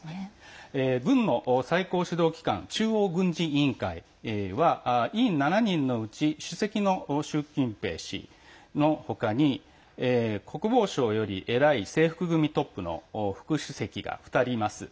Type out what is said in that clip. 軍の最高指導機関中央軍事委員会は委員７人のうち主席の習近平氏の他に国防相より偉い、制服組トップの副主席が２人います。